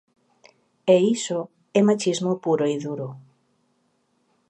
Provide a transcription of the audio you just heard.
E iso é machismo puro e duro.